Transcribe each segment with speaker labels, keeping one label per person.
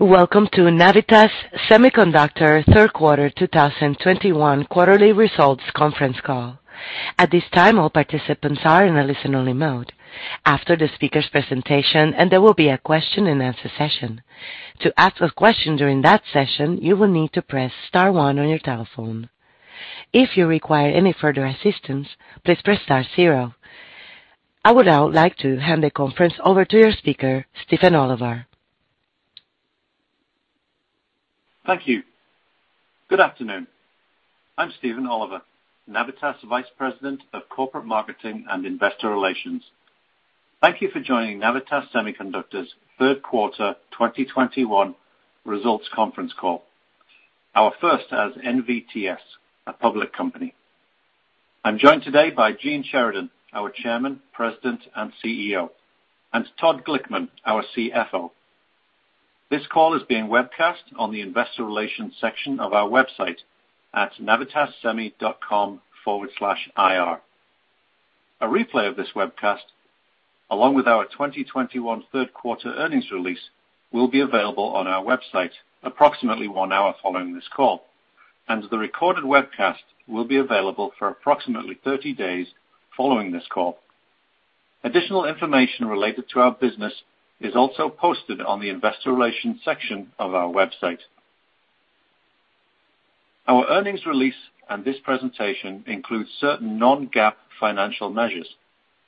Speaker 1: Welcome to Navitas Semiconductor third quarter 2021 quarterly results conference call. At this time, all participants are in a listen-only mode. After the speaker's presentation, there will be a question-and-answer session. To ask a question during that session, you will need to press star one on your telephone. If you require any further assistance, please press star zero. I would now like to hand the conference over to your speaker, Stephen Oliver.
Speaker 2: Thank you. Good afternoon. I'm Stephen Oliver, Navitas Vice President of corporate marketing and Investor Relations. Thank you for joining Navitas Semiconductor's third quarter 2021 results conference call, our first as NVTS, a public company. I'm joined today by Gene Sheridan, our Chairman, President, and CEO, and Todd Glickman, our CFO. This call is being webcast on the Investor Relations section of our website at navitassemi.com/ir. A replay of this webcast, along with our 2021 third quarter earnings release, will be available on our website approximately one hour following this call, and the recorded webcast will be available for approximately 30 days following this call. Additional information related to our business is also posted on the Investor Relations section of our website. Our earnings release and this presentation includes certain non-GAAP financial measures.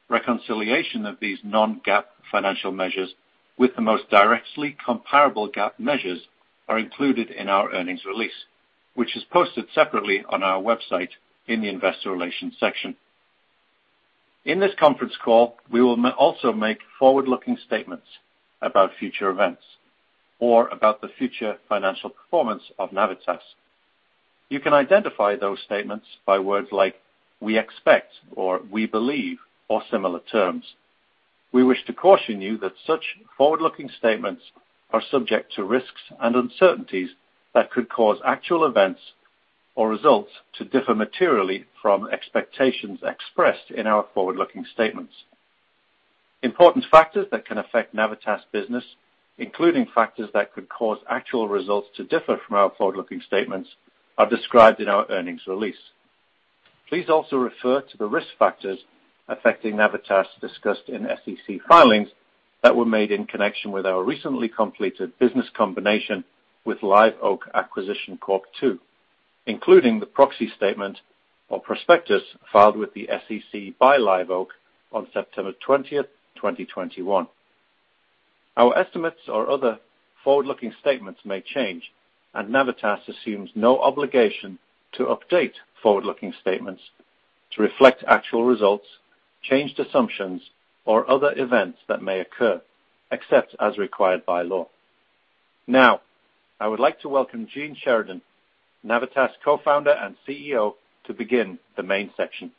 Speaker 2: Reconciliation of these non-GAAP financial measures with the most directly comparable GAAP measures are included in our earnings release, which is posted separately on our website in the investor relations section. In this conference call, we will also make forward-looking statements about future events or about the future financial performance of Navitas. You can identify those statements by words like "we expect" or "we believe" or similar terms. We wish to caution you that such forward-looking statements are subject to risks and uncertainties that could cause actual events or results to differ materially from expectations expressed in our forward-looking statements. Important factors that can affect Navitas business, including factors that could cause actual results to differ from our forward-looking statements, are described in our earnings release. Please also refer to the risk factors affecting Navitas discussed in SEC filings that were made in connection with our recently completed business combination with Live Oak Acquisition Corp. II, including the proxy statement or prospectus filed with the SEC by Live Oak on September 20th, 2021. Our estimates or other forward-looking statements may change, and Navitas assumes no obligation to update forward-looking statements to reflect actual results, changed assumptions, or other events that may occur, except as required by law. Now, I would like to welcome Gene Sheridan, Navitas Co-Founder and CEO, to begin the main section.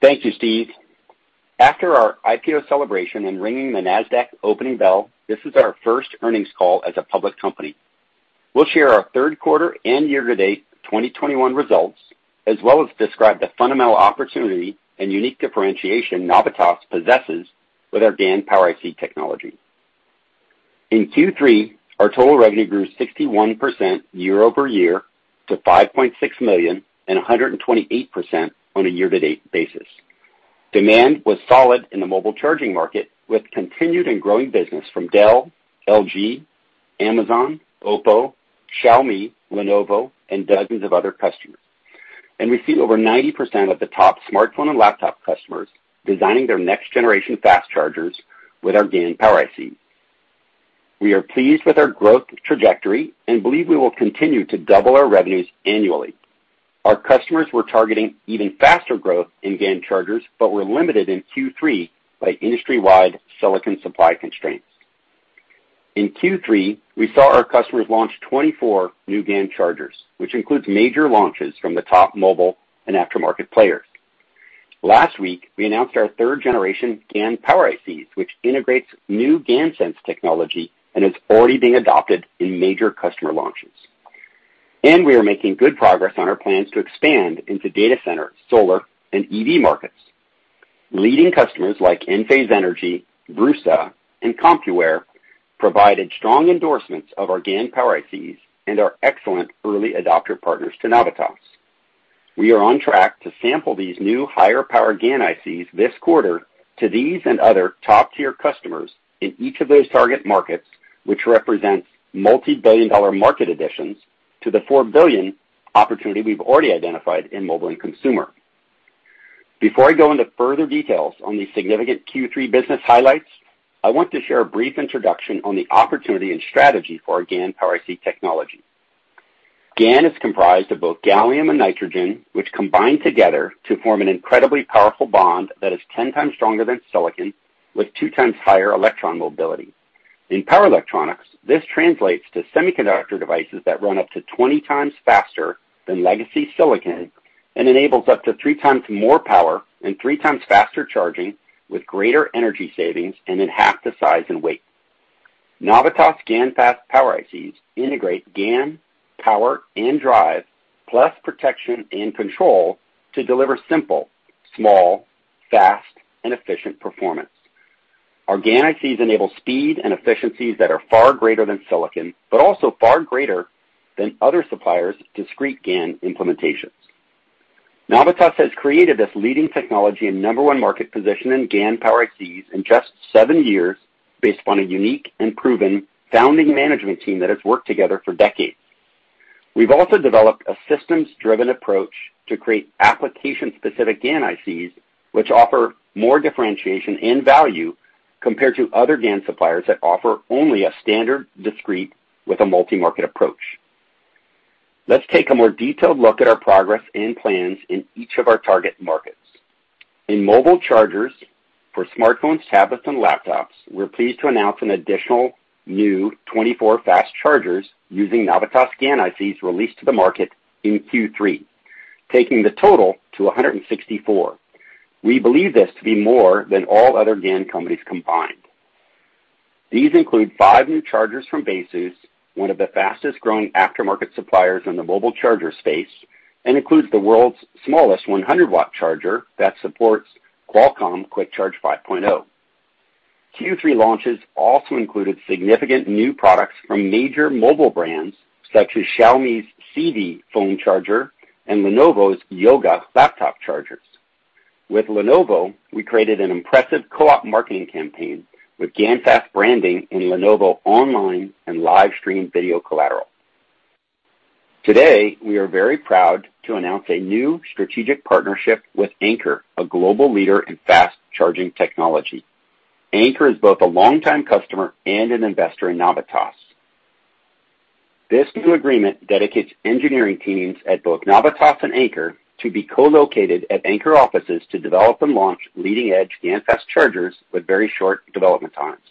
Speaker 3: Thank you, Steve. After our IPO celebration and ringing the Nasdaq opening bell, this is our first earnings call as a public company. We'll share our third quarter and year-to-date 2021 results, as well as describe the fundamental opportunity and unique differentiation Navitas possesses with our GaN power IC technology. In Q3, our total revenue grew 61% year-over-year to $5.6 million and 128% on a year-to-date basis. Demand was solid in the mobile charging market, with continued and growing business from Dell, LG, Amazon, OPPO, Xiaomi, Lenovo, and dozens of other customers. We see over 90% of the top smartphone and laptop customers designing their next generation fast chargers with our GaN power ICs. We are pleased with our growth trajectory and believe we will continue to double our revenues annually. Our customers were targeting even faster growth in GaN chargers, but were limited in Q3 by industry-wide silicon supply constraints. In Q3, we saw our customers launch 24 new GaN chargers, which includes major launches from the top mobile and aftermarket players. Last week, we announced our third generation GaN power ICs, which integrates new GaNSense technology and is already being adopted in major customer launches. We are making good progress on our plans to expand into data center, solar, and EV markets. Leading customers like Enphase Energy, BRUSA, and Compuware provided strong endorsements of our GaN power ICs and are excellent early adopter partners to Navitas. We are on track to sample these new higher power GaN ICs this quarter to these and other top-tier customers in each of those target markets, which represents multi-billion-dollar market additions to the $4 billion opportunity we've already identified in mobile and consumer. Before I go into further details on these significant Q3 business highlights, I want to share a brief introduction on the opportunity and strategy for our GaN power IC technology. GaN is comprised of both gallium and nitrogen, which combine together to form an incredibly powerful bond that is 10x stronger than silicon with 2x higher electron mobility. In power electronics, this translates to semiconductor devices that run up to 20x faster than legacy silicon and enables up to 3x more power and 3xfaster charging with greater energy savings and in half the size and weight. Navitas GaN fast power ICs integrate GaN, power, and drive, plus protection and control to deliver simple, small, fast and efficient performance. Our GaN ICs enable speed and efficiencies that are far greater than silicon, but also far greater than other suppliers' discrete GaN implementations. Navitas has created this leading technology and number one market position in GaN power ICs in just seven years based on a unique and proven founding management team that has worked together for decades. We've also developed a systems-driven approach to create application-specific GaN ICs, which offer more differentiation and value compared to other GaN suppliers that offer only a standard discrete with a multi-market approach. Let's take a more detailed look at our progress and plans in each of our target markets. In mobile chargers for smartphones, tablets, and laptops, we're pleased to announce an additional new 24 fast chargers using Navitas GaN ICs released to the market in Q3, taking the total to 164. We believe this to be more than all other GaN companies combined. These include five new chargers from Baseus, one of the fastest-growing aftermarket suppliers in the mobile charger space, and includes the world's smallest 100-watt charger that supports Qualcomm Quick Charge 5. Q3 launches also included significant new products from major mobile brands such as Xiaomi's Civi phone charger and Lenovo's Yoga laptop chargers. With Lenovo, we created an impressive co-op marketing campaign with GaNFast branding in Lenovo online and live stream video collateral. Today, we are very proud to announce a new strategic partnership with Anker, a global leader in fast charging technology. Anker is both a long-time customer and an investor in Navitas. This new agreement dedicates engineering teams at both Navitas and Anker to be co-located at Anker offices to develop and launch leading-edge GaN fast chargers with very short development times.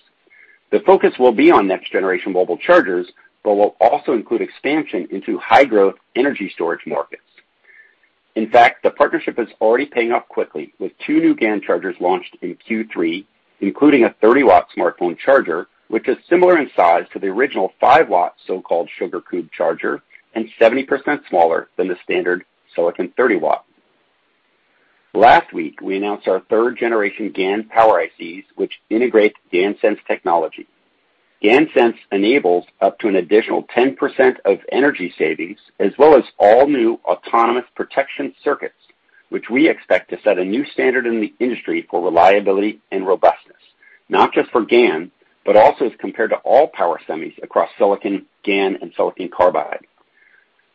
Speaker 3: The focus will be on next-generation mobile chargers, but will also include expansion into high-growth energy storage markets. In fact, the partnership is already paying off quickly, with two new GaN chargers launched in Q3, including a 30-watt smartphone charger, which is similar in size to the original 5-watt so-called Sugar Cube charger and 70% smaller than the standard silicon 30-watt. Last week, we announced our third-generation GaN power ICs, which integrate GaNSense technology. GaNSense enables up to an additional 10% of energy savings, as well as all new autonomous protection circuits, which we expect to set a new standard in the industry for reliability and robustness, not just for GaN, but also as compared to all power semis across silicon, GaN, and silicon carbide.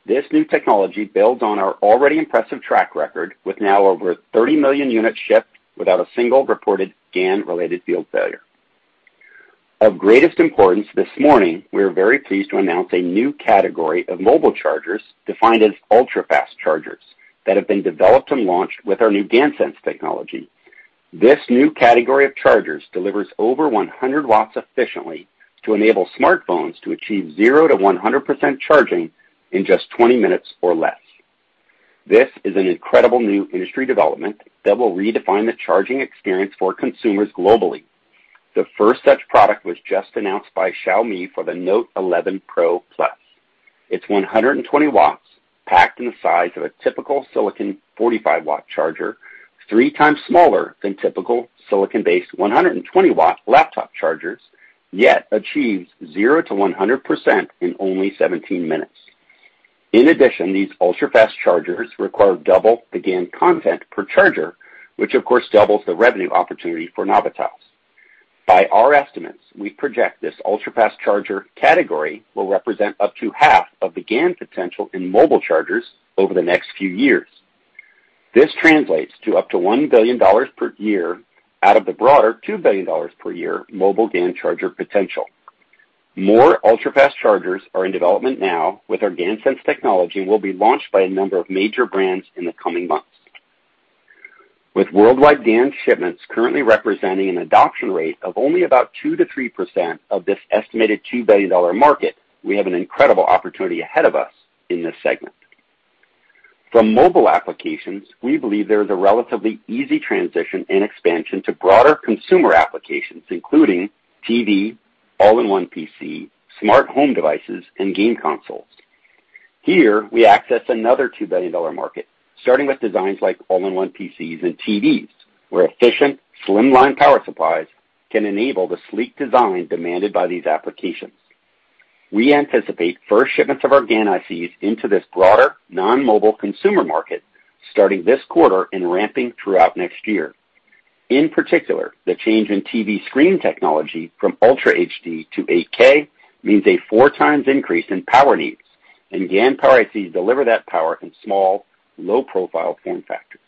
Speaker 3: This new technology builds on our already impressive track record with now over 30 million units shipped without a single reported GaN-related field failure. Of greatest importance this morning, we are very pleased to announce a new category of mobile chargers defined as ultra-fast chargers that have been developed and launched with our new GaNSense technology. This new category of chargers delivers over 100 watts efficiently to enable smartphones to achieve 0%-100% charging in just 20 minutes or less. This is an incredible new industry development that will redefine the charging experience for consumers globally. The first such product was just announced by Xiaomi for the Redmi Note 11 Pro+. It's 120 watts packed in the size of a typical silicon 45-watt charger, three times smaller than typical silicon-based 120-watt laptop chargers, yet achieves 0% to 100% in only 17 minutes. In addition, these ultra-fast chargers require double the GaN content per charger, which of course doubles the revenue opportunity for Navitas. By our estimates, we project this ultra-fast charger category will represent up to half of the GaN potential in mobile chargers over the next few years. This translates to up to $1 billion per year out of the broader $2 billion per year mobile GaN charger potential. More ultra-fast chargers are in development now with our GaNSense technology and will be launched by a number of major brands in the coming months. With worldwide GaN shipments currently representing an adoption rate of only about 2%-3% of this estimated $2 billion market, we have an incredible opportunity ahead of us in this segment. From mobile applications, we believe there is a relatively easy transition and expansion to broader consumer applications, including TV, all-in-one PC, smart home devices, and game consoles. Here, we access another $2 billion market, starting with designs like all-in-one PCs and TVs, where efficient slim line power supplies can enable the sleek design demanded by these applications. We anticipate first shipments of our GaN ICs into this broader non-mobile consumer market starting this quarter and ramping throughout next year. In particular, the change in TV screen technology from Ultra HD to 8K means a 4x increase in power needs, and GaN power ICs deliver that power in small, low-profile form factors.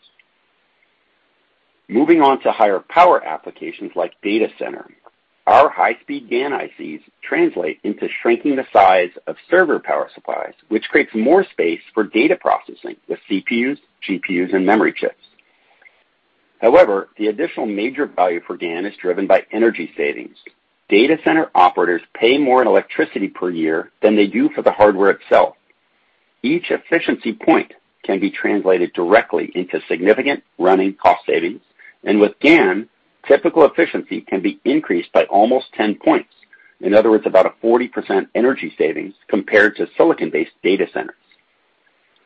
Speaker 3: Moving on to higher power applications like data centers. Our high-speed GaN ICs translate into shrinking the size of server power supplies, which creates more space for data processing with CPUs, GPUs, and memory chips. However, the additional major value for GaN is driven by energy savings. Data center operators pay more in electricity per year than they do for the hardware itself. Each efficiency point can be translated directly into significant running cost savings, and with GaN, typical efficiency can be increased by almost 10 points. In other words, about a 40% energy savings compared to silicon-based data centers.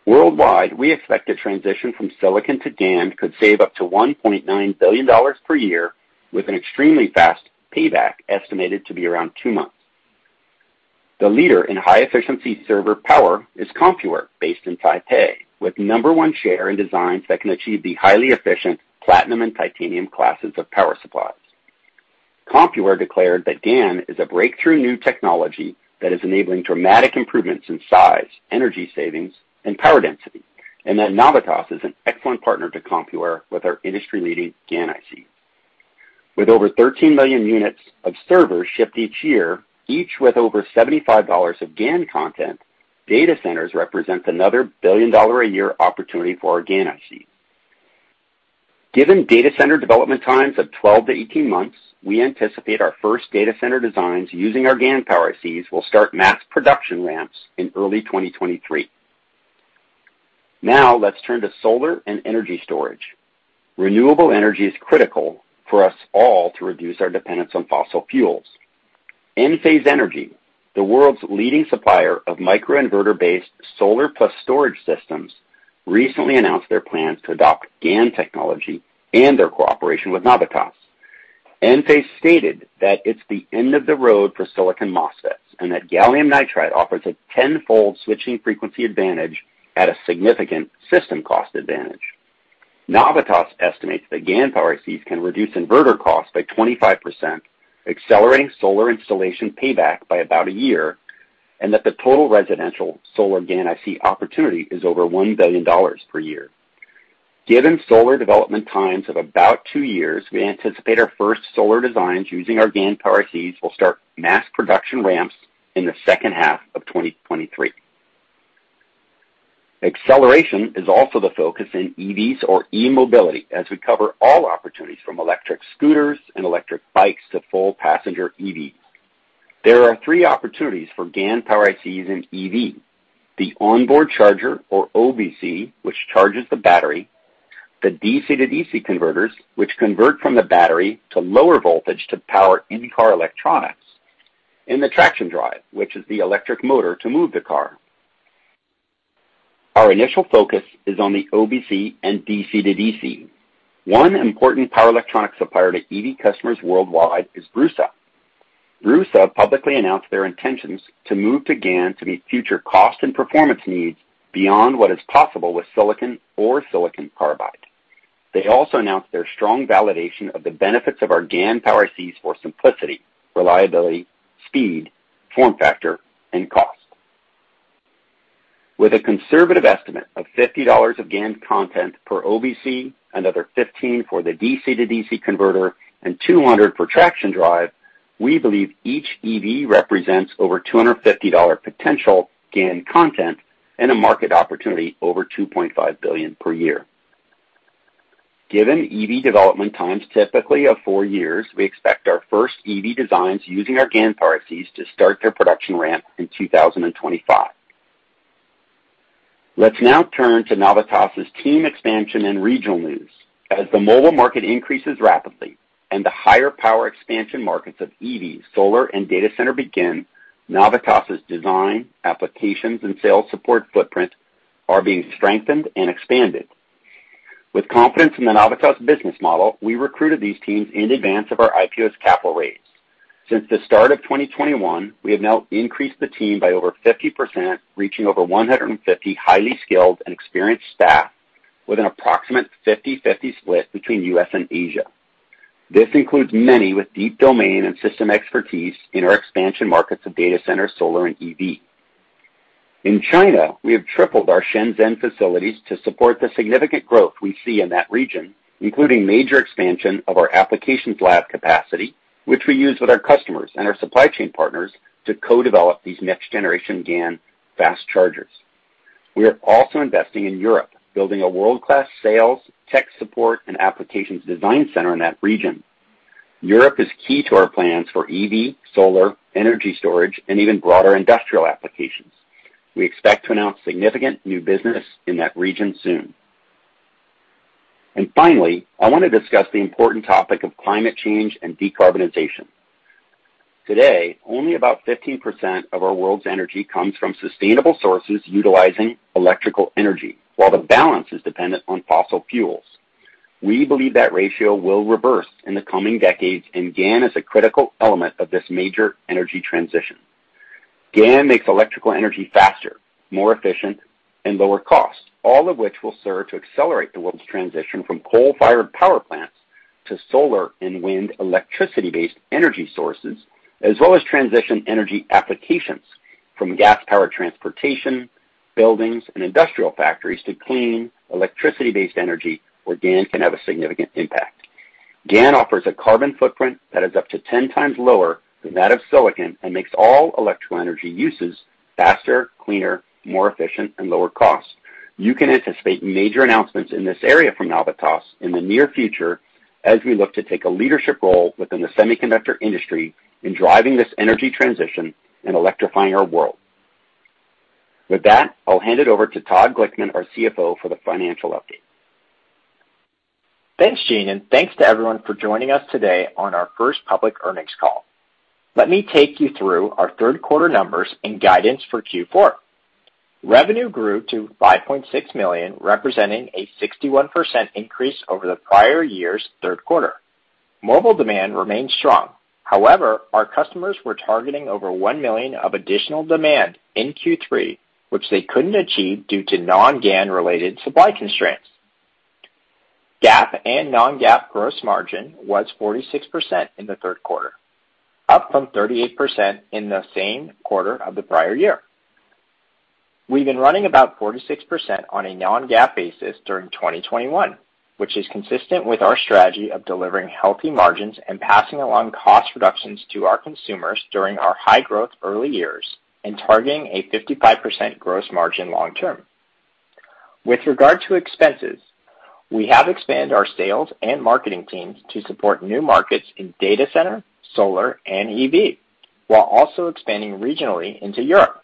Speaker 3: Worldwide, we expect a transition from silicon to GaN could save up to $1.9 billion per year with an extremely fast payback, estimated to be around two months. The leader in high-efficiency server power is Compuware, based in Taipei, with No. 1 share in designs that can achieve the highly efficient platinum and titanium classes of power supplies. Compuware declared that GaN is a breakthrough new technology that is enabling dramatic improvements in size, energy savings, and power density, and that Navitas is an excellent partner to Compuware with our industry-leading GaN IC. With over 13 million units of servers shipped each year, each with over $75 of GaN content, data centers represent another billion-dollar-a-year opportunity for our GaN IC. Given data center development times of 12-18 months, we anticipate our first data center designs using our GaN power ICs will start mass production ramps in early 2023. Now let's turn to solar and energy storage. Renewable energy is critical for us all to reduce our dependence on fossil fuels. Enphase Energy, the world's leading supplier of microinverter-based solar plus storage systems, recently announced their plans to adopt GaN technology and their cooperation with Navitas. Enphase stated that it's the end of the road for silicon MOSFETs, and that gallium nitride offers a tenfold switching frequency advantage at a significant system cost advantage. Navitas estimates that GaN power ICs can reduce inverter costs by 25%, accelerating solar installation payback by about a year, and that the total residential solar GaN IC opportunity is over $1 billion per year. Given solar development times of about two years, we anticipate our first solar designs using our GaN power ICs will start mass production ramps in the second half of 2023. Acceleration is also the focus in EVs or e-mobility, as we cover all opportunities from electric scooters and electric bikes to full passenger EV. There are three opportunities for GaN power ICs in EV. The onboard charger or OBC, which charges the battery, the DC-to-DC converters, which convert from the battery to lower voltage to power in-car electronics, and the traction drive, which is the electric motor to move the car. Our initial focus is on the OBC and DC-to-DC. One important power electronic supplier to EV customers worldwide is BRUSA. BRUSA publicly announced their intentions to move to GaN to meet future cost and performance needs beyond what is possible with silicon or silicon carbide. They also announced their strong validation of the benefits of our GaN power IC for simplicity, reliability, speed, form factor, and cost. With a conservative estimate of $50 of GaN content per OBC, another $15 for the DC-to-DC converter, and $200 for traction drive, we believe each EV represents over $250 potential GaN content and a market opportunity over $2.5 billion per year. Given EV development times typically of four years, we expect our first EV designs using our GaN power ICs to start their production ramp in 2025. Let's now turn to Navitas' team expansion and regional news. As the mobile market increases rapidly and the higher power expansion markets of EV, solar and data center begin, Navitas' design, applications and sales support footprint are being strengthened and expanded. With confidence in the Navitas business model, we recruited these teams in advance of our IPO's capital raise. Since the start of 2021, we have now increased the team by over 50%, reaching over 150 highly skilled and experienced staff with an approximate 50/50 split between U.S. and Asia. This includes many with deep domain and system expertise in our expansion markets of data center, solar, and EV. In China, we have tripled our Shenzhen facilities to support the significant growth we see in that region, including major expansion of our applications lab capacity, which we use with our customers and our supply chain partners to co-develop these next-generation GaN fast chargers. We are also investing in Europe, building a world-class sales, tech support, and applications design center in that region. Europe is key to our plans for EV, solar, energy storage, and even broader industrial applications. We expect to announce significant new business in that region soon. Finally, I want to discuss the important topic of climate change and decarbonization. Today, only about 15% of our world's energy comes from sustainable sources utilizing electrical energy, while the balance is dependent on fossil fuels. We believe that ratio will reverse in the coming decades, and GaN is a critical element of this major energy transition. GaN makes electrical energy faster, more efficient and lower cost, all of which will serve to accelerate the world's transition from coal-fired power plants to solar and wind electricity-based energy sources, as well as transition energy applications from gas-powered transportation, buildings and industrial factories to clean electricity-based energy where GaN can have a significant impact. GaN offers a carbon footprint that is up to 10x lower than that of silicon and makes all electrical energy uses faster, cleaner, more efficient and lower cost. You can anticipate major announcements in this area from Navitas in the near future as we look to take a leadership role within the semiconductor industry in driving this energy transition and electrifying our world. With that, I'll hand it over to Todd Glickman, our CFO, for the financial update.
Speaker 4: Thanks, Gene, and thanks to everyone for joining us today on our first public earnings call. Let me take you through our third quarter numbers and guidance for Q4. Revenue grew to $5.6 million, representing a 61% increase over the prior year's third quarter. Mobile demand remained strong. However, our customers were targeting over 1 million of additional demand in Q3, which they couldn't achieve due to non-GaN related supply constraints. GAAP and non-GAAP gross margin was 46% in the third quarter, up from 38% in the same quarter of the prior year. We've been running about 46% on a non-GAAP basis during 2021, which is consistent with our strategy of delivering healthy margins and passing along cost reductions to our consumers during our high growth early years and targeting a 55% gross margin long term. With regard to expenses, we have expanded our sales and marketing teams to support new markets in data center, solar, and EV, while also expanding regionally into Europe.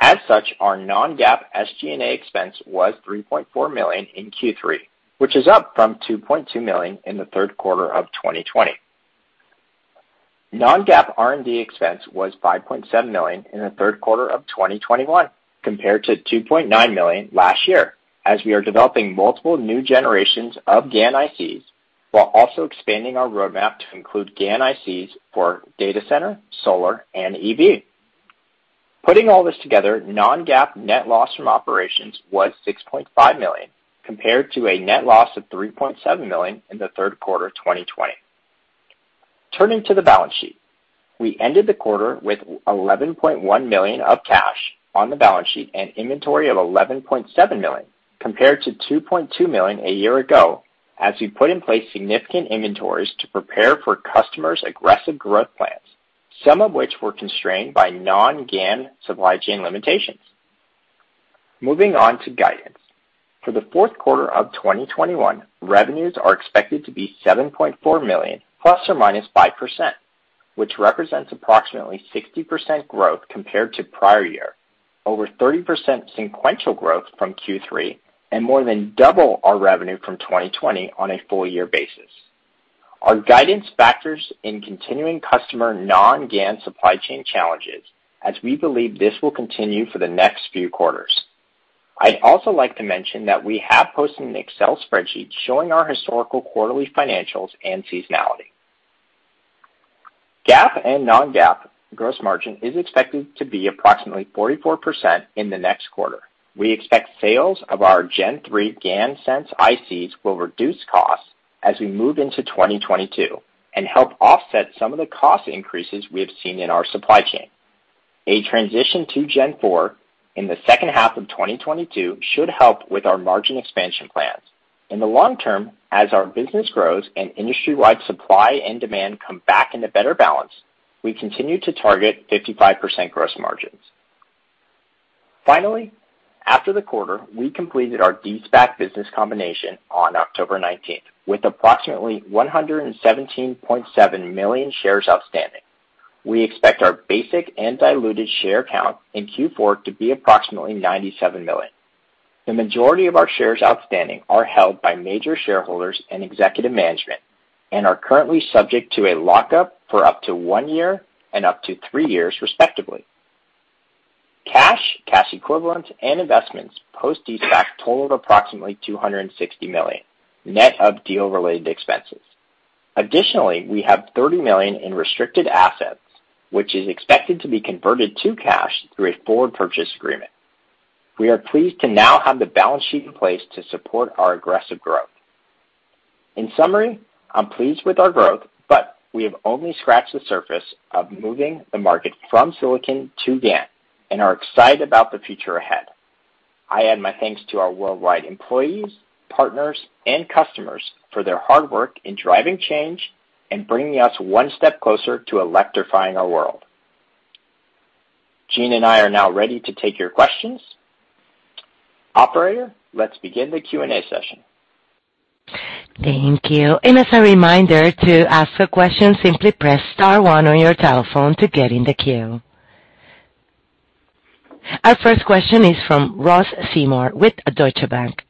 Speaker 4: As such, our non-GAAP SG&A expense was $3.4 million in Q3, which is up from $2.2 million in the third quarter of 2020. Non-GAAP R&D expense was $5.7 million in the third quarter of 2021 compared to $2.9 million last year, as we are developing multiple new generations of GaN ICs while also expanding our roadmap to include GaN ICs for data center, solar, and EV. Putting all this together, non-GAAP net loss from operations was $6.5 million, compared to a net loss of $3.7 million in the third quarter of 2020. Turning to the balance sheet. We ended the quarter with $11.1 million of cash on the balance sheet and inventory of $11.7 million, compared to $2.2 million a year ago as we put in place significant inventories to prepare for customers' aggressive growth plans, some of which were constrained by non-GaN supply chain limitations. Moving on to guidance. For the fourth quarter of 2021, revenues are expected to be $7.4 million ±5%, which represents approximately 60% growth compared to prior year, over 30% sequential growth from Q3, and more than double our revenue from 2020 on a full year basis. Our guidance factors in continuing customer non-GaN supply chain challenges as we believe this will continue for the next few quarters. I'd also like to mention that we have posted an Excel spreadsheet showing our historical quarterly financials and seasonality. GAAP and non-GAAP gross margin is expected to be approximately 44% in the next quarter. We expect sales of our Gen-3 GaNSense ICs will reduce costs as we move into 2022 and help offset some of the cost increases we have seen in our supply chain. A transition to Gen-4 in the second half of 2022 should help with our margin expansion plans. In the long term, as our business grows and industry-wide supply and demand come back into better balance, we continue to target 55% gross margins. Finally, after the quarter, we completed our de-SPAC business combination on October 19th, with approximately 117.7 million shares outstanding. We expect our basic and diluted share count in Q4 to be approximately 97 million. The majority of our shares outstanding are held by major shareholders and executive management and are currently subject to a lockup for up to one year and up to three years, respectively. Cash, cash equivalents, and investments post de-SPAC totaled approximately $260 million, net of deal-related expenses. Additionally, we have $30 million in restricted assets, which is expected to be converted to cash through a forward purchase agreement. We are pleased to now have the balance sheet in place to support our aggressive growth. In summary, I'm pleased with our growth, but we have only scratched the surface of moving the market from silicon to GaN and are excited about the future ahead. I add my thanks to our worldwide employees, partners, and customers for their hard work in driving change and bringing us one step closer to electrifying our world. Gene and I are now ready to take your questions. Operator, let's begin the Q&A session.
Speaker 1: Thank you. As a reminder to ask a question, simply press star one on your telephone to get in the queue. Our first question is from Ross Seymore with Deutsche Bank.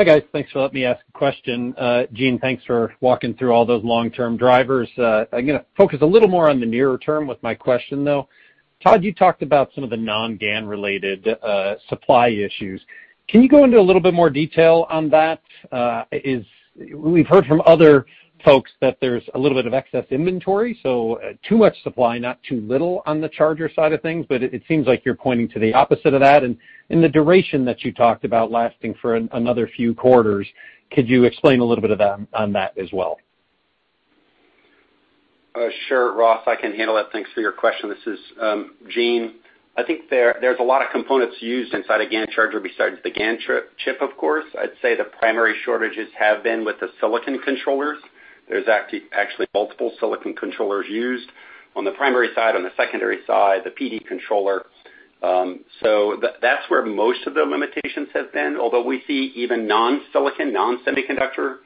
Speaker 5: Hi, guys. Thanks for letting me ask a question. Gene, thanks for walking through all those long-term drivers. I'm gonna focus a little more on the nearer term with my question, though. Todd, you talked about some of the non-GaN related supply issues. Can you go into a little bit more detail on that? We've heard from other folks that there's a little bit of excess inventory, so too much supply, not too little on the charger side of things, but it seems like you're pointing to the opposite of that. The duration that you talked about lasting for another few quarters, could you explain a little bit more on that as well?
Speaker 3: Sure, Ross, I can handle that. Thanks for your question. This is Gene. I think there's a lot of components used inside a GaN charger besides the GaN chip, of course. I'd say the primary shortages have been with the silicon controllers. There's actually multiple silicon controllers used on the primary side, on the secondary side, the PD controllers, so that's where most of the limitations have been. Although we see even non-silicon, non-semiconductor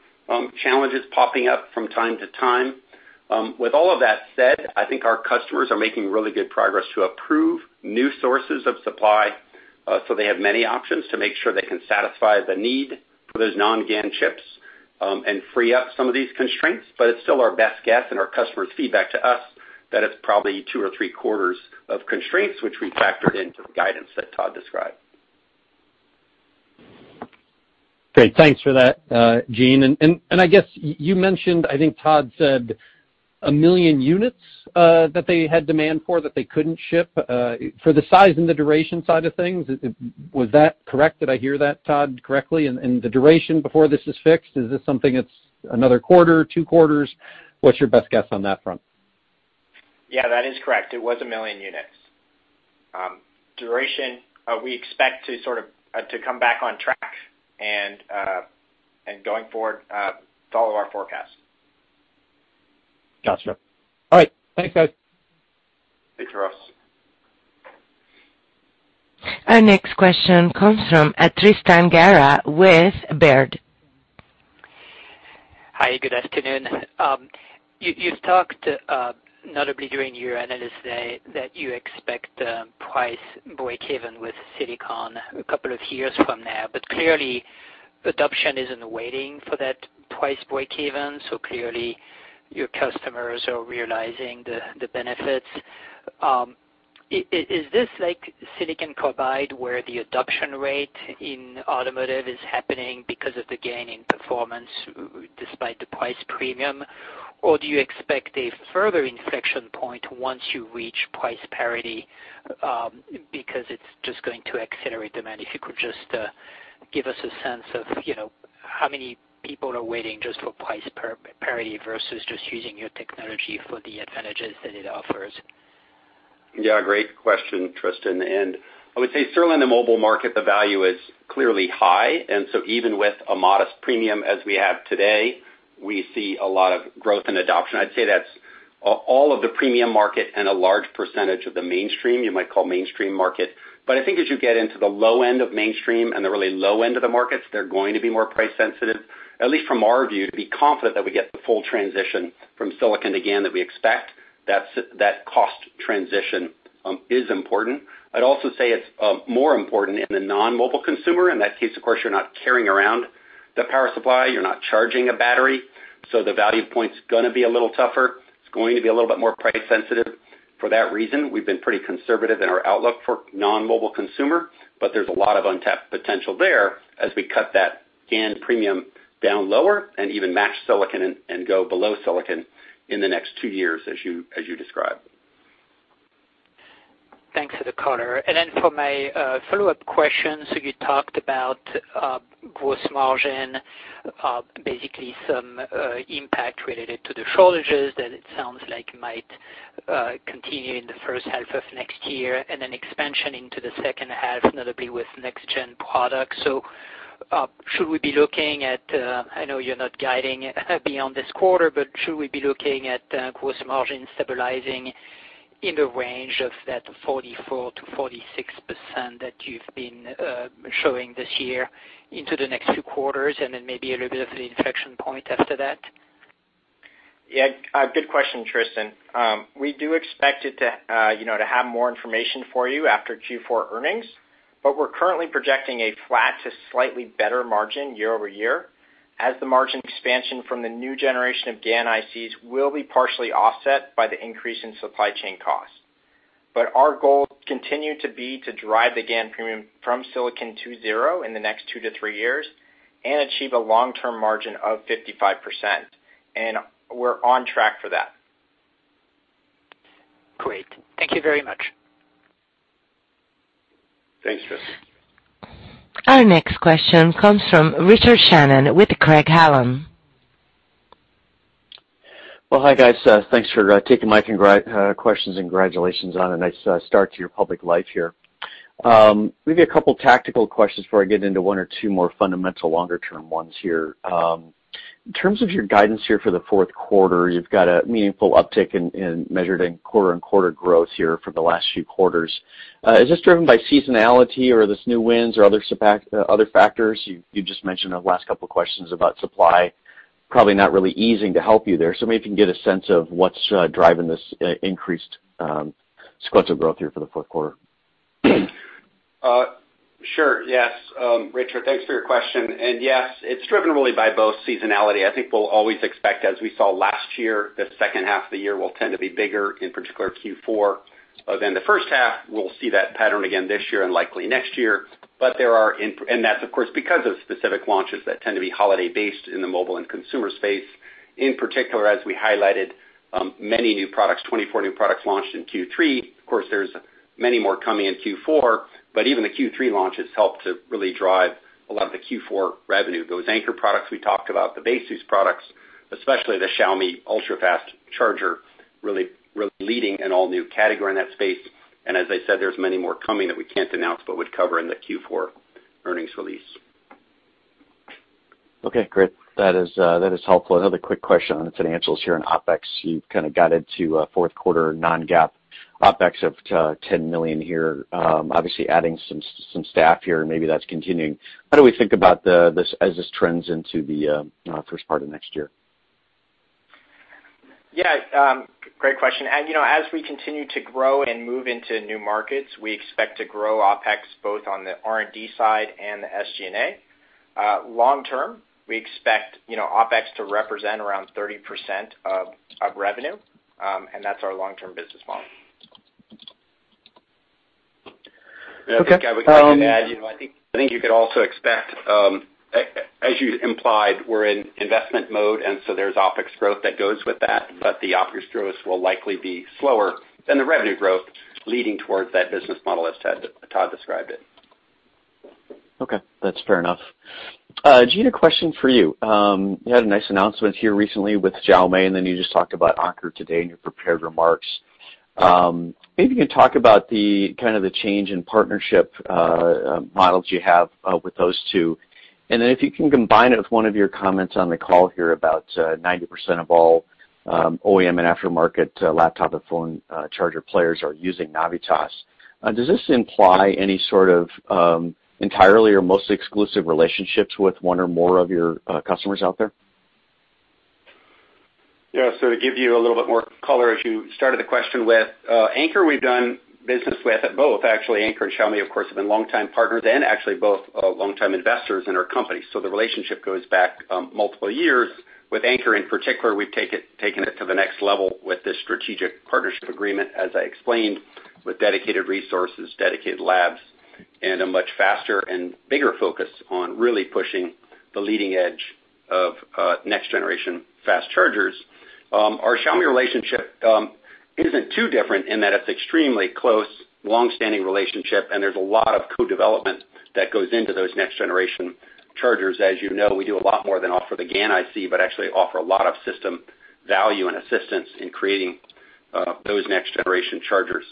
Speaker 3: challenges popping up from time to time. With all of that said, I think our customers are making really good progress to approve new sources of supply, so they have many options to make sure they can satisfy the need for those non-GaN chips, and free up some of these constraints. It's still our best guess and our customers' feedback to us that it's probably two or three quarters of constraints which we factored into the guidance that Todd described.
Speaker 5: Great. Thanks for that, Gene. I guess you mentioned, I think Todd said, 1 million units that they had demand for that they couldn't ship. For the size and the duration side of things, was that correct? Did I hear that, Todd, correctly? The duration before this is fixed, is this something that's another quarter, two quarters? What's your best guess on that front?
Speaker 4: Yeah, that is correct. It was 1 million units. Duration, we expect to sort of come back on track and going forward follow our forecast.
Speaker 5: Gotcha. All right. Thanks, guys.
Speaker 3: Thanks, Ross.
Speaker 1: Our next question comes from Tristan Gerra with Baird.
Speaker 6: Hi. Good afternoon. You've talked notably during your analyst day that you expect price break even with silicon a couple of years from now. Clearly adoption isn't waiting for that price break even, so clearly your customers are realizing the benefits. Is this like silicon carbide where the adoption rate in automotive is happening because of the gain in performance despite the price premium, or do you expect a further inflection point once you reach price parity, because it's just going to accelerate demand? If you could just give us a sense of, you know, how many people are waiting just for price parity versus just using your technology for the advantages that it offers.
Speaker 3: Yeah, great question, Tristan. I would say certainly in the mobile market, the value is clearly high. Even with a modest premium as we have today, we see a lot of growth and adoption. I'd say that's all of the premium market and a large percentage of the mainstream, you might call mainstream market. I think as you get into the low end of mainstream and the really low end of the markets, they're going to be more price sensitive. At least from our view, to be confident that we get the full transition from silicon to GaN that we expect, that cost transition is important. I'd also say it's more important in the non-mobile consumer. In that case, of course, you're not carrying around the power supply, you're not charging a battery, so the value point's gonna be a little tougher. It's going to be a little bit more price sensitive. For that reason, we've been pretty conservative in our outlook for non-mobile consumer, but there's a lot of untapped potential there as we cut that GaN premium down lower and even match silicon and go below silicon in the next two years, as you described.
Speaker 6: Thanks for the color. For my follow-up question, so you talked about gross margin, basically some impact related to the shortages that it sounds like might continue in the first half of next year, and then expansion into the second half, notably with next gen products. Should we be looking at, I know you're not guiding beyond this quarter, but should we be looking at gross margin stabilizing in the range of that 44%-46% that you've been showing this year into the next two quarters and then maybe a little bit of an inflection point after that?
Speaker 4: Yeah. Good question, Tristan. We do expect it to, you know, to have more information for you after Q4 earnings, but we're currently projecting a flat to slightly better margin year-over-year as the margin expansion from the new generation of GaN ICs will be partially offset by the increase in supply chain costs. Our goal continue to be to drive the GaN premium from silicon to zero in the next two-three years and achieve a long-term margin of 55%, and we're on track for that.
Speaker 6: Great. Thank you very much.
Speaker 3: Thanks, Tristan.
Speaker 1: Our next question comes from Richard Shannon with Craig-Hallum.
Speaker 7: Well, hi, guys. Thanks for taking my questions and congratulations on a nice start to your public life here. Maybe a couple tactical questions before I get into one or two more fundamental longer term ones here. In terms of your guidance here for the fourth quarter, you've got a meaningful uptick in quarter-over-quarter growth here for the last few quarters. Is this driven by seasonality or these new wins or other factors? You just mentioned the last couple of questions about supply probably not really easing to help you there. Maybe if you can get a sense of what's driving this increased sequential growth here for the fourth quarter.
Speaker 3: Sure. Yes. Richard, thanks for your question. Yes, it's driven really by both seasonality. I think we'll always expect, as we saw last year, the second half of the year will tend to be bigger, in particular Q4, than the first half. We'll see that pattern again this year and likely next year. That's of course, because of specific launches that tend to be holiday based in the mobile and consumer space. In particular, as we highlighted, many new products, 24 new products launched in Q3. Of course, there's many more coming in Q4, but even the Q3 launches help to really drive a lot of the Q4 revenue. Those anchor products we talked about, the Baseus products, especially the Xiaomi ultrafast charger, really leading an all-new category in that space. As I said, there's many more coming that we can't announce, but would cover in the Q4 earnings release.
Speaker 7: Okay, great. That is helpful. Another quick question on the financials here in OpEx. You kind of got into fourth quarter non-GAAP OpEx of $10 million here, obviously adding some staff here and maybe that's continuing. How do we think about this as this trends into the first part of next year?
Speaker 4: Great question. You know, as we continue to grow and move into new markets, we expect to grow OpEx both on the R&D side and the SG&A. Long-term, we expect, you know, OpEx to represent around 30% of revenue, and that's our long-term business model.
Speaker 7: Okay.
Speaker 3: Yeah, I would like to add, you know, I think you could also expect, as you implied, we're in investment mode, and so there's OpEx growth that goes with that, but the OpEx growth will likely be slower than the revenue growth leading towards that business model, as Todd described it.
Speaker 7: Okay, that's fair enough. Gene, a question for you. You had a nice announcement here recently with Xiaomi, and then you just talked about Anker today in your prepared remarks. Maybe you can talk about the kind of the change in partnership models you have with those two. Then if you can combine it with one of your comments on the call here about 90% of all OEM and aftermarket laptop and phone charger players are using Navitas. Does this imply any sort of entirely or mostly exclusive relationships with one or more of your customers out there?
Speaker 3: Yeah. To give you a little bit more color, as you started the question with, Anker, we've done business with both. Actually, Anker and Xiaomi, of course, have been long-time partners and actually both, long-time investors in our company. The relationship goes back, multiple years. With Anker in particular, we've taken it to the next level with this strategic partnership agreement, as I explained, with dedicated resources, dedicated labs, and a much faster and bigger focus on really pushing the leading edge of, next generation fast chargers. Our Xiaomi relationship isn't too different in that it's extremely close, long-standing relationship, and there's a lot of co-development that goes into those next generation chargers. As you know, we do a lot more than offer the GaN IC, but actually offer a lot of system value and assistance in creating those next generation chargers.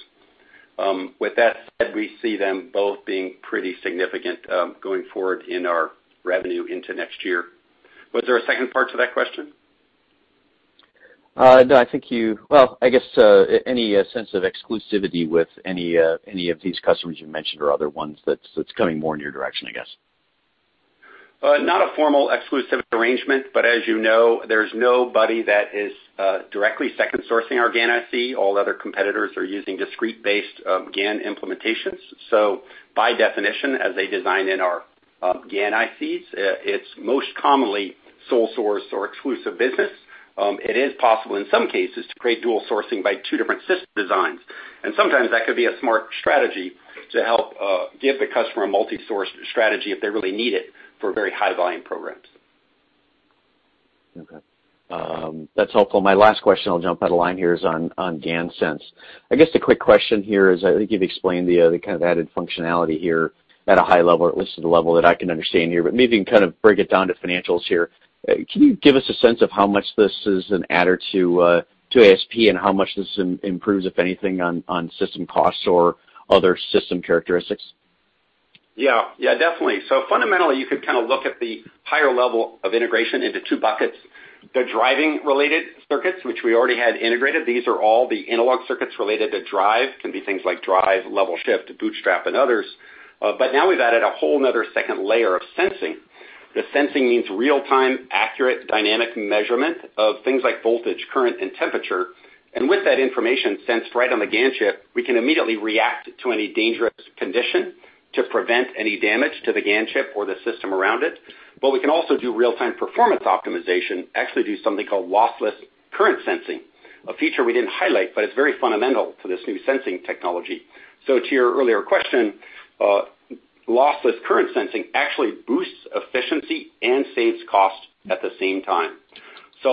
Speaker 3: With that said, we see them both being pretty significant, going forward in our revenue into next year. Was there a second part to that question?
Speaker 7: No, I think. Well, I guess any sense of exclusivity with any of these customers you mentioned or other ones that's coming more in your direction, I guess?
Speaker 3: Not a formal exclusive arrangement, but as you know, there's nobody that is directly second sourcing our GaN IC. All other competitors are using discrete-based GaN implementations, so by definition, as they design in our GaN ICs, it's most commonly sole source or exclusive business. It is possible in some cases to create dual sourcing by two different system designs, and sometimes that could be a smart strategy to help give the customer a multi-source strategy if they really need it for very high volume programs.
Speaker 7: Okay. That's helpful. My last question, I'll jump out of line here, is on GaNSense. I guess the quick question here is, I think you've explained the kind of added functionality here at a high level, at least at a level that I can understand here, but maybe you can kind of break it down to financials here. Can you give us a sense of how much this is an adder to ASP and how much this improves, if anything, on system costs or other system characteristics?
Speaker 3: Yeah. Yeah, definitely. Fundamentally, you could kind of look at the higher level of integration into two buckets. The driving related circuits, which we already had integrated. These are all the analog circuits related to drive, can be things like drive, level shift, bootstrap, and others, but now we've added a whole another second layer of sensing. The sensing means real-time, accurate, dynamic measurement of things like voltage, current, and temperature, and with that information sensed right on the GaN chip, we can immediately react to any dangerous condition to prevent any damage to the GaN chip or the system around it, but we can also do real-time performance optimization, actually do something called lossless current sensing, a feature we didn't highlight, but it's very fundamental to this new sensing technology. To your earlier question, lossless current sensing actually boosts efficiency and saves cost at the same time.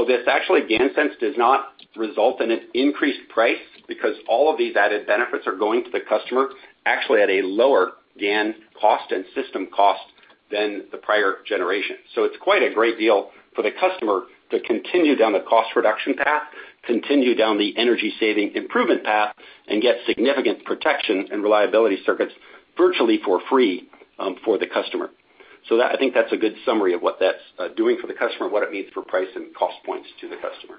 Speaker 3: This actually, GaNSense does not result in an increased price because all of these added benefits are going to the customer actually at a lower GaN cost and system cost than the prior generation. It's quite a great deal for the customer to continue down the cost reduction path, continue down the energy saving improvement path, and get significant protection and reliability circuits virtually for free, for the customer. That I think that's a good summary of what that's doing for the customer and what it means for price and cost points to the customer.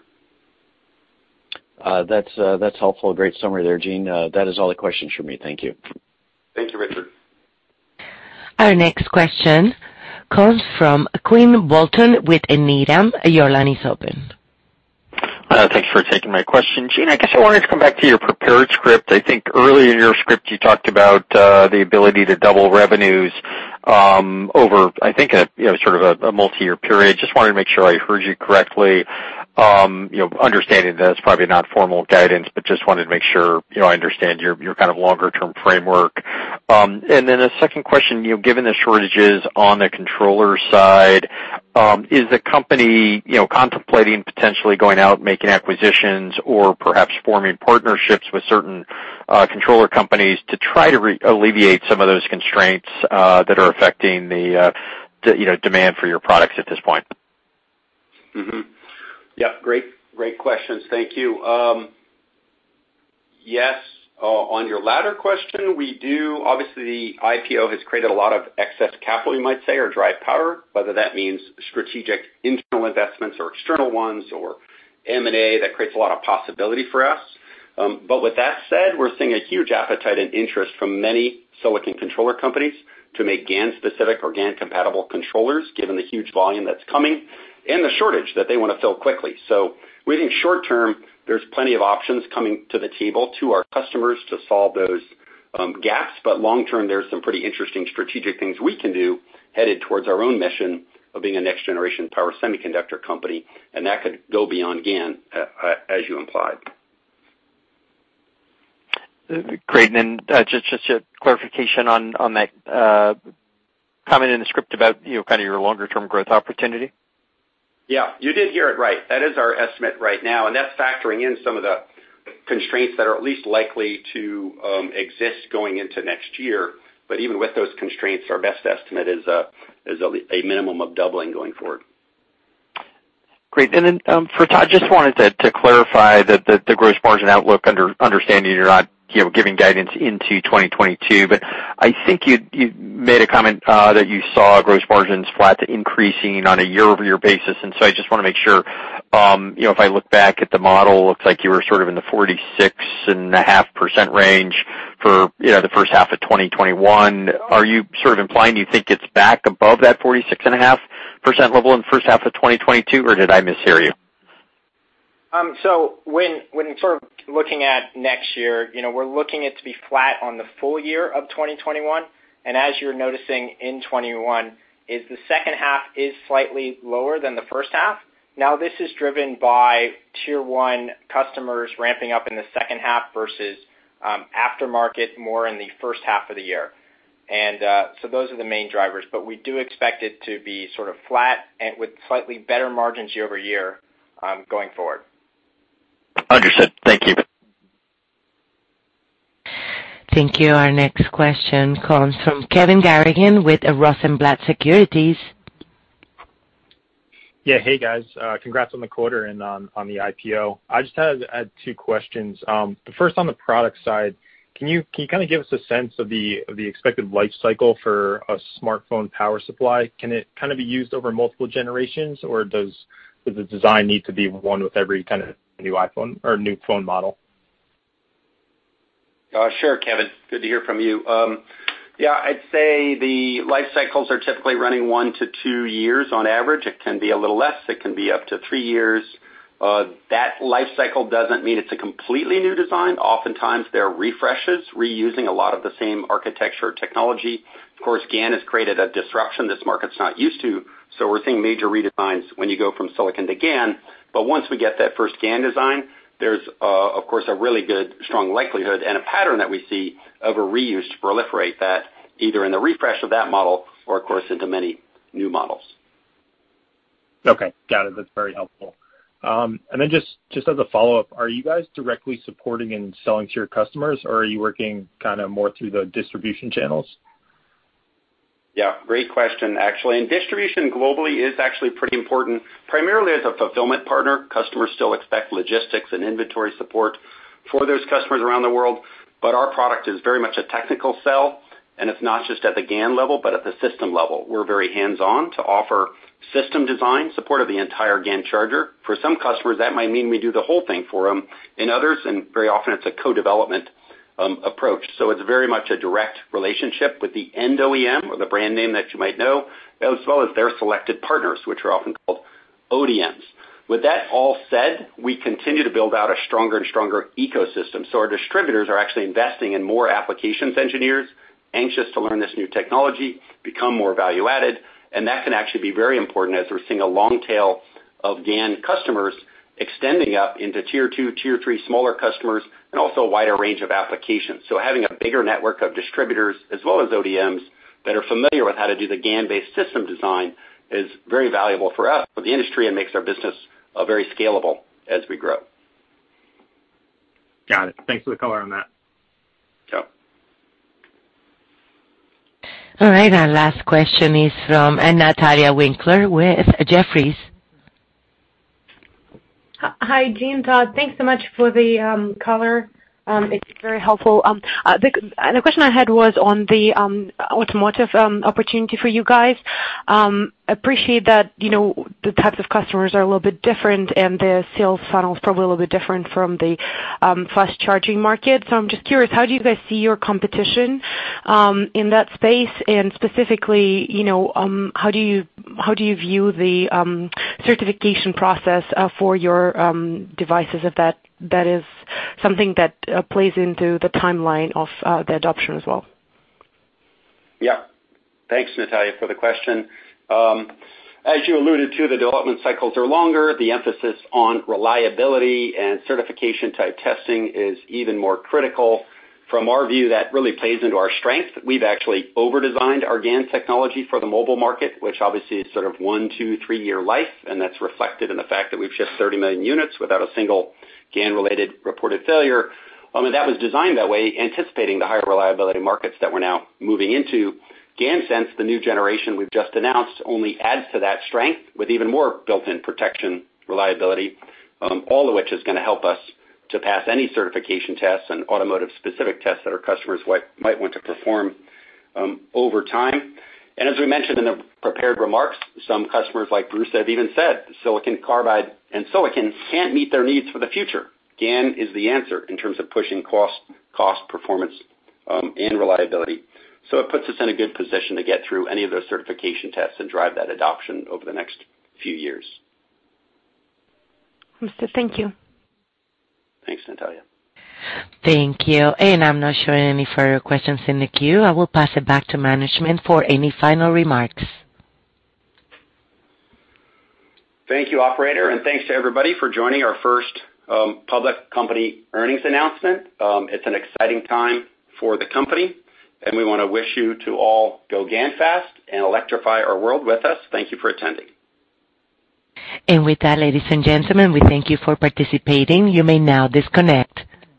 Speaker 7: That's helpful. Great summary there, Gene. That is all the questions from me. Thank you.
Speaker 3: Thank you, Richard.
Speaker 1: Our next question comes from Quinn Bolton with Needham. Your line is open.
Speaker 8: Thanks for taking my question. Gene, I guess I wanted to come back to your prepared script. I think earlier in your script you talked about the ability to double revenues over, I think, you know, sort of a multi-year period. Just wanted to make sure I heard you correctly. You know, understanding that it's probably not formal guidance, but just wanted to make sure, you know, I understand your kind of longer term framework. Then a second question. You know, given the shortages on the controller side, is the company, you know, contemplating potentially going out and making acquisitions or perhaps forming partnerships with certain controller companies to try to alleviate some of those constraints that are affecting the demand for your products at this point?
Speaker 3: Yeah, great questions. Thank you. Yes, on your latter question, we do. Obviously, IPO has created a lot of excess capital, you might say, or dry powder, whether that means strategic internal investments or external ones or M&A, that creates a lot of possibility for us. With that said, we're seeing a huge appetite and interest from many silicon controller companies to make GaN specific or GaN compatible controllers, given the huge volume that's coming and the shortage that they wanna fill quickly. We think short term, there's plenty of options coming to the table to our customers to solve those gaps. Long term, there's some pretty interesting strategic things we can do headed towards our own mission of being a next generation power semiconductor company, and that could go beyond GaN, as you implied.
Speaker 8: Great. Just a clarification on that comment in the script about, you know, kind of your longer term growth opportunity.
Speaker 3: Yeah, you did hear it right. That is our estimate right now, and that's factoring in some of the constraints that are at least likely to exist going into next year. Even with those constraints, our best estimate is a minimum of doubling going forward.
Speaker 8: Great. For Todd, just wanted to clarify the gross margin outlook under the understanding you're not giving guidance into 2022, but I think you made a comment that you saw gross margins flat to increasing on a year-over-year basis. I just wanna make sure, if I look back at the model, looks like you were sort of in the 46.5% range for the first half of 2021. Are you sort of implying you think it's back above that 46.5% level in the first half of 2022, or did I mishear you?
Speaker 4: When sort of looking at next year, you know, we're looking for it to be flat on the full year of 2021, and as you're noticing in 2021 the second half is slightly lower than the first half. Now, this is driven by tier one customers ramping up in the second half versus more aftermarket in the first half of the year. Those are the main drivers, but we do expect it to be sort of flat and with slightly better margins year over year going forward.
Speaker 8: Understood. Thank you.
Speaker 1: Thank you. Our next question comes from Kevin Garrigan with Rosenblatt Securities.
Speaker 9: Yeah. Hey, guys. Congrats on the quarter and on the IPO. I just had two questions. The first on the product side, can you kind of give us a sense of the expected life cycle for a smartphone power supply? Can it kind of be used over multiple generations, or does the design need to be done with every kind of new iPhone or new phone model?
Speaker 3: Sure, Kevin. Good to hear from you. Yeah, I'd say the life cycles are typically running one-two years on average. It can be a little less. It can be up to three years. That life cycle doesn't mean it's a completely new design. Oftentimes they're refreshes, reusing a lot of the same architecture technology. Of course, GaN has created a disruption this market's not used to, so we're seeing major redesigns when you go from silicon to GaN. Once we get that first GaN design, there's, of course, a really good strong likelihood and a pattern that we see of a reuse to proliferate that either in the refresh of that model or of course into many new models.
Speaker 9: Okay. Got it. That's very helpful. Just as a follow-up, are you guys directly supporting and selling to your customers, or are you working kind of more through the distribution channels?
Speaker 3: Yeah, great question actually. Distribution globally is actually pretty important, primarily as a fulfillment partner. Customers still expect logistics and inventory support for those customers around the world, but our product is very much a technical sell, and it's not just at the GaN level, but at the system level. We're very hands-on to offer system design support of the entire GaN charger. For some customers, that might mean we do the whole thing for them. In others, and very often it's a co-development, approach, so it's very much a direct relationship with the end OEM or the brand name that you might know, as well as their selected partners, which are often called ODMs. With that all said, we continue to build out a stronger and stronger ecosystem, so our distributors are actually investing in more applications engineers anxious to learn this new technology become more value added, and that can actually be very important as we're seeing a long tail of GaN customers extending out into tier two, tier three smaller customers and also a wider range of applications. Having a bigger network of distributors as well as ODMs that are familiar with how to do the GaN-based system design is very valuable for us, for the industry, and makes our business very scalable as we grow.
Speaker 8: Got it. Thanks for the color on that.
Speaker 3: Yep.
Speaker 1: All right. Our last question is from Natalia Winkler with Jefferies.
Speaker 10: Hi, Gene, Todd. Thanks so much for the color. It's very helpful. The question I had was on the automotive opportunity for you guys. Appreciate that, you know, the types of customers are a little bit different and the sales funnel is probably a little bit different from the fast charging market. I'm just curious, how do you guys see your competition in that space? Specifically, you know, how do you view the certification process for your devices if that is something that plays into the timeline of the adoption as well?
Speaker 3: Yeah. Thanks, Natalia, for the question. As you alluded to, the development cycles are longer. The emphasis on reliability and certification type testing is even more critical. From our view, that really plays into our strength. We've actually overdesigned our GaN technology for the mobile market, which obviously is sort of one, two, three-year life, and that's reflected in the fact that we've shipped 30 million units without a single GaN-related reported failure. That was designed that way, anticipating the higher reliability markets that we're now moving into. GaNSense, the new generation we've just announced only adds to that strength with even more built-in protection reliability, all of which is gonna help us to pass any certification tests and automotive specific tests that our customers might want to perform, over time. As we mentioned in the prepared remarks, some customers like BRUSA have even said silicon carbide and silicon can't meet their needs for the future. GaN is the answer in terms of pushing cost performance, and reliability. It puts us in a good position to get through any of those certification tests and drive that adoption over the next few years.
Speaker 10: Understood. Thank you.
Speaker 3: Thanks, Natalia.
Speaker 1: Thank you. I'm not showing any further questions in the queue. I will pass it back to management for any final remarks.
Speaker 3: Thank you, operator, and thanks to everybody for joining our first public company earnings announcement. It's an exciting time for the company, and we wanna wish you to all go GaN fast and electrify our world with us. Thank you for attending.
Speaker 1: With that, ladies and gentlemen, we thank you for participating. You may now disconnect.